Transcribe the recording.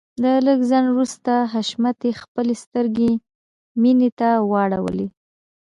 له لږ ځنډ وروسته حشمتي خپلې سترګې مينې ته واړولې.